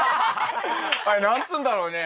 あれ何つうんだろうね？